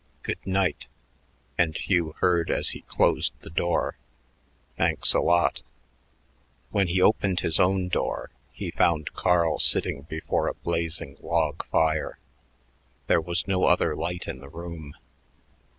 "Good night." And Hugh heard as he closed the door. "Thanks a lot." When he opened his own door, he found Carl sitting before a blazing log fire. There was no other light in the room.